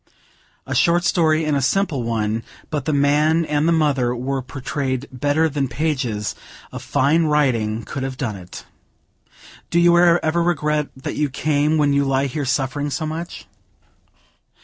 A short story and a simple one, but the man and the mother were portrayed better than pages of fine writing could have done it. "Do you ever regret that you came, when you lie here suffering so much?"